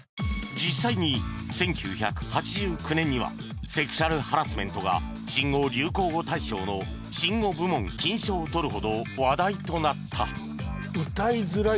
実際に１９８９年には「セクシャルハラスメント」が新語・流行語大賞の新語部門・金賞をとるほど話題となった